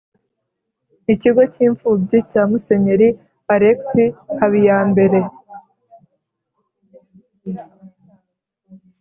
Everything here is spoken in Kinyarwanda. ikigo cy’imfubyi cya:musenyeri alexis habiyambere